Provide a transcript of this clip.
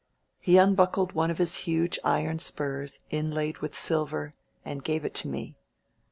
He un buckled one of his huge iron spurs, inlaid with silver, and gave it to me.